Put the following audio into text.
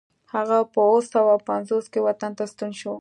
هغه په اوه سوه پنځوس کې وطن ته ستون شو.